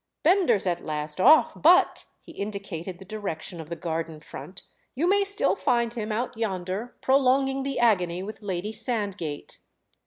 "Bender's at last off, but"—he indicated the direction of the garden front—"you may still find him, out yonder, prolonging the agony with Lady Sand gate."